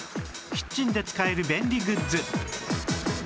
キッチンで使える便利グッズ